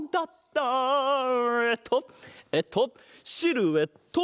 えっとえっとシルエット！